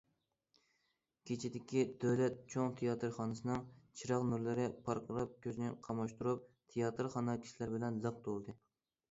كېچىدىكى دۆلەت چوڭ تىياتىرخانىسىنىڭ چىراغ نۇرلىرى پارقىراپ كۆزنى قاماشتۇرۇپ، تىياتىرخانا كىشىلەر بىلەن لىق تولدى.